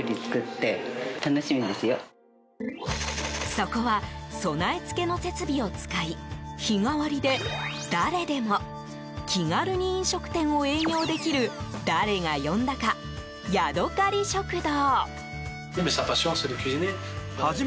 そこは備え付けの設備を使い日替わりで誰でも気軽に飲食店を営業できる誰が呼んだか、ヤドカリ食堂。